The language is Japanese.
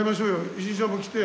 石井ちゃんも来て。